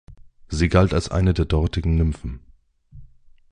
Sie galt als eine der dortigen Nymphen.